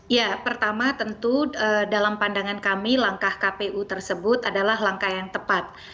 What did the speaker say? ya pertama tentu dalam pandangan kami langkah kpu tersebut adalah langkah yang tepat